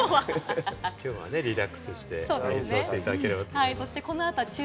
リラックスして演奏していただければと思います。